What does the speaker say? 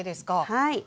はい。